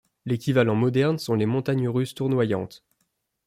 L'équivalent moderne sont les montagnes russes tournoyantes.